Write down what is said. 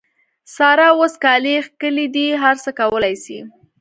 سارا اوس کالي کښلي دي؛ هر څه کولای سي.